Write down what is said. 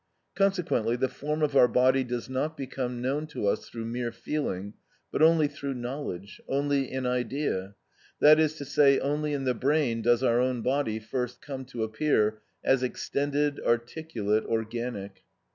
Consequently the form of our body does not become known to us through mere feeling, but only through knowledge, only in idea; that is to say, only in the brain does our own body first come to appear as extended, articulate, organic.